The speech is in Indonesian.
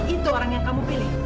itu orang yang kamu pilih